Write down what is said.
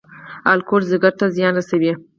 الکول ځیګر ته څه زیان رسوي؟